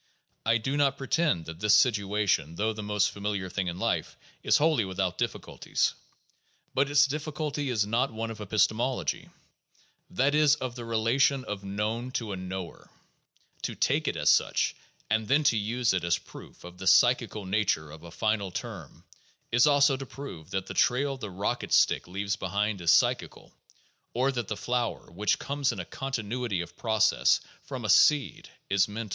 I do not pretend that this situation, though the most familiar thing in life, is wholly without difficulties. But its difficulty is not one of epistemology, that is, of the relation of known to a knower; to take it as such, and then to use it as proof of the psychical nature of a final term, is also to prove that the trail the rocket stick leaves behind is psychical, or that the flower which comes in a continuity of process from a seed is mental.